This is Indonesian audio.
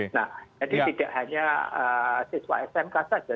nah jadi tidak hanya siswa smk saja